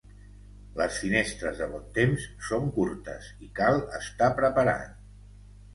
Les finestres de bon temps són curtes i cal estar preparat.